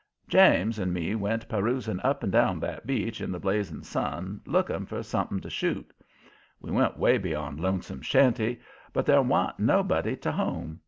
James and me went perusing up and down that beach in the blazing sun looking for something to shoot. We went 'way beyond Lonesome's shanty, but there wa'n't nobody to home.